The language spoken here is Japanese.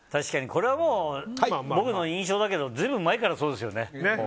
これはもう僕の印象だけど随分前からそうですよね。